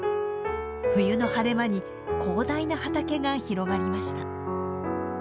冬の晴れ間に広大な畑が広がりました。